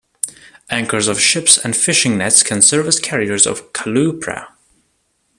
Anchors of ships and fishing nets can serve as carriers of Caulerpa.